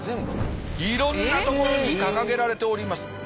いろんな所に掲げられております。